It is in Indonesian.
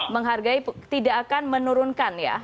menghargai tidak akan menurunkan ya